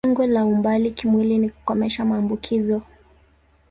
Lengo la umbali kimwili ni kukomesha maambukizo.